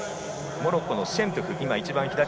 モロッコのシェントゥフ。